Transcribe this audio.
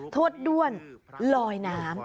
ทวดด้วนลอยน้ำ